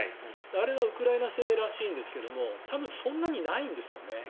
あれはウクライナ製らしいんですが多分そんなにないんですよね。